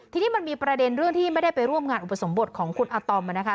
ทีนี้มันมีประเด็นเรื่องที่ไม่ได้ไปร่วมงานอุปสมบทของคุณอาตอมนะคะ